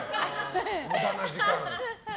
無駄な時間。